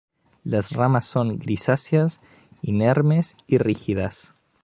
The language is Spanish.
Las ramas son grisáceas, inermes, y rígidas.